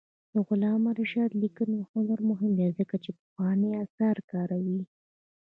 د علامه رشاد لیکنی هنر مهم دی ځکه چې پخواني آثار کاروي.